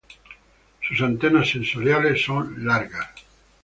Sus antenas sensoriales son largas.